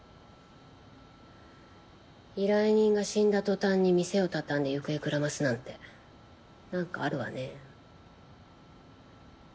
依頼人が死んだ途端に店を畳んで行方くらますなんてなんかあるわね。